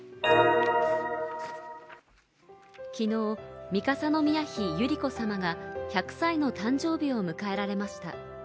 きのう、三笠宮妃百合子さまが１００歳の誕生日を迎えられました。